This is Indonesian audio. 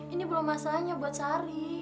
ini belum masalahnya buat sari